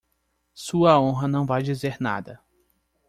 Sua honra não vai dizer nada.